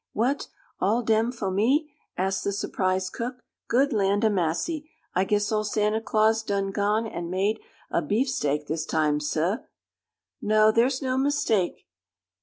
"What? All dem fo' me?" asked the surprised cook. "Good land a' massy! I guess ole Santa Claus done gone an' made a beef steak this time, suah!" "No, there's no mistake!